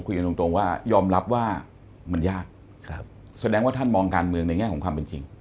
กันตรงว่ายอมรับว่ามันยากแสดงว่าท่านมองการเมืองในแง่ของความเป็นจริง